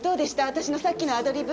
私のさっきのアドリブ。